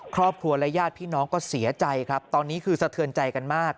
ครอบครัวและญาติพี่น้องก็เสียใจครับตอนนี้คือสะเทือนใจกันมาก